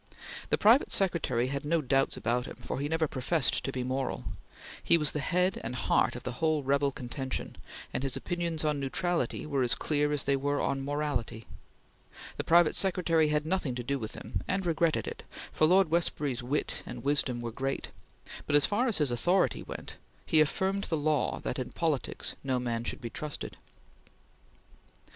The private secretary had no doubts about him, for he never professed to be moral. He was the head and heart of the whole rebel contention, and his opinions on neutrality were as clear as they were on morality. The private secretary had nothing to do with him, and regretted it, for Lord Westbury's wit and wisdom were great; but as far as his authority went he affirmed the law that in politics no man should be trusted.